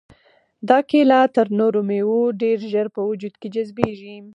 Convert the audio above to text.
دا کیله تر نورو مېوو ډېر ژر په وجود کې جذبیږي.